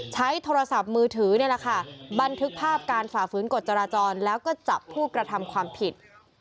ใช้โทรศัพท์มือถือนี่แหละค่ะบันทึกภาพการฝ่าฝืนกฎจราจรแล้วก็จับผู้กระทำความผิด